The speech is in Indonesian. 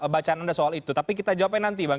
bacaan anda soal itu tapi kita jawabnya nanti bang